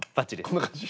こんな感じ？